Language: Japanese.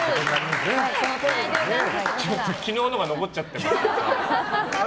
昨日のが残っちゃってる。